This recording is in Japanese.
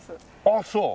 ああそう。